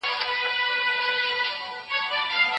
انسان بايد مهربان وي.